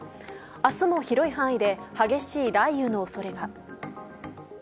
明日も広い範囲で激しい雷雨の恐れが。